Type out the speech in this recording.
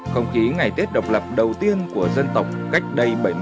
không khí ngày tết độc lập đầu tiên của dân tộc cách đây bảy mươi năm